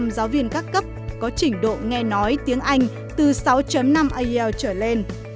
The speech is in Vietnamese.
giáo viên các cấp có trình độ nghe nói tiếng anh từ sáu năm al trở lên